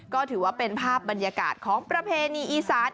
ก็ถือว่าเป็นภาพบรรยากาศของประเพณีอีสาน